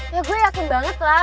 ya gue yakin banget lah